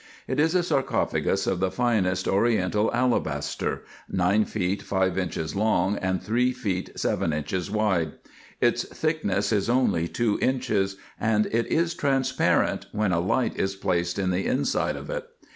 It is a sarcophagus of the finest oriental ala baster, nine feet five inches long, and three feet seven inches wide. Its thickness is only two inches ; and it is transparent, when a light is placed in the inside of it.